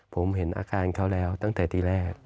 ผมเห็นอาการเขาแล้วตั้งแต่ที่แรก